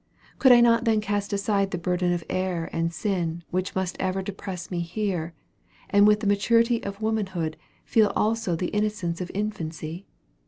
Could I not then cast aside the burden of error and sin which must ever depress me here, and with the maturity of womanhood, feel also the innocence of infancy?